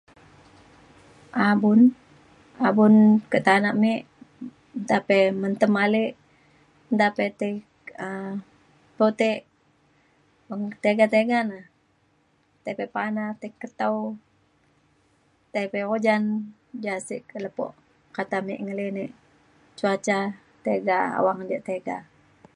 abun abun ke tanak me nta pe mentem ale nta pe de tei um putek beng tiga tiga na tai ke pana tai ke tau tai pa ujan ja sek ke lepo kata me ngelinek cuaca tiga awang ja tiga